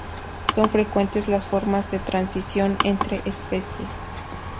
Son frecuentes las formas de transición entre especies.